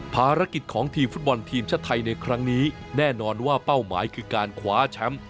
ภารกิจของทีมฟุตบอลทีมชาติไทยในครั้งนี้แน่นอนว่าเป้าหมายคือการคว้าแชมป์